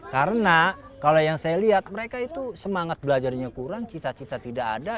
karena kalau yang saya lihat mereka itu semangat belajarnya kurang cita cita tidak ada